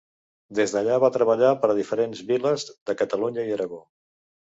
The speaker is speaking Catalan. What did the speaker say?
Des d'allà va treballar per a diferents viles de Catalunya i Aragó.